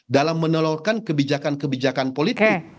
dalam menolorkan kebijakan kebijakan politik